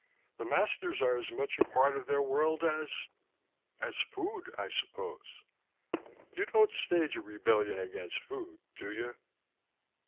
The masters are as much a part of their world as as food, I suppose. You don't stage a rebellion against food, do you?"